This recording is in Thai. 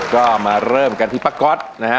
ก็มาเริ่มกันที่ป้าก๊อตนะฮะ